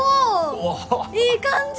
いい感じ！